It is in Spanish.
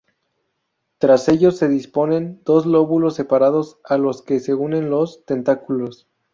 Tras ellos se disponen dos lóbulos separados a los que se unen los tentáculos.